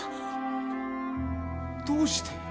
どうして？